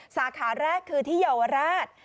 สาขาแรกคือที่เยาวราช